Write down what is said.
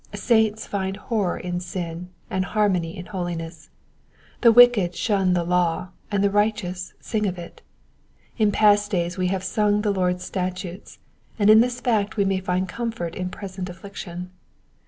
Saints find horror in sin, and harmony in holiness. The wicked shun the law, and the righteous sing of it. In past days we have sung the Lord's statutes, and in this fact we may find comfort in present affliction.